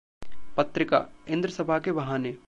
पत्रिका: इंद्र सभा के बहाने